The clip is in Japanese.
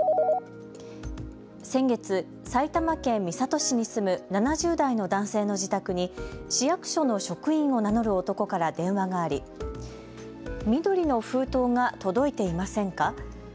先月、埼玉県三郷市に住む７０代の男性の自宅に市役所の職員を名乗る男から電話があり緑の封筒が届いていませんか。